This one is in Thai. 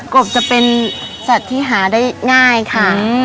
กบจะเป็นสัตว์ที่หาได้ง่ายค่ะ